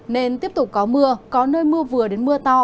nên tiếp tục có mưa có nơi mưa vừa đến mưa to